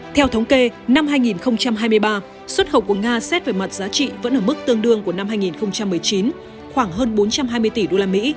theo thống kê năm hai nghìn hai mươi ba xuất khẩu của nga xét về mặt giá trị vẫn ở mức tương đương của năm hai nghìn một mươi chín khoảng hơn bốn trăm hai mươi tỷ usd